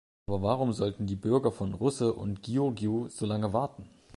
Aber warum sollten die Bürger von Russe und Giurgiu so lange warten?